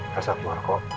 kasar keluar kok